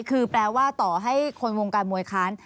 คือแปลว่าต่อให้คนวงการมวยค้าน